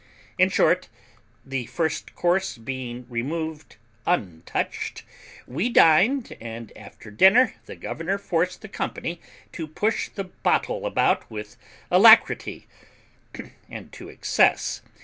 In short, the first course being removed untouched, we dined, and after dinner the governor forced the company to push the bottle about with alacrity and to excess.